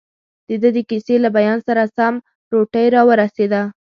دده د کیسې له بیان سره سم، روټۍ راورسېده.